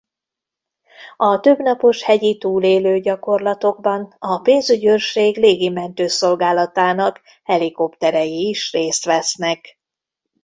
A több napos hegyi túlélő gyakorlatokban a pénzügyőrség légi mentőszolgálatának helikopterei is részt vesznek.